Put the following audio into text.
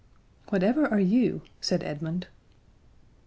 "Whatever are you?" said Edmund.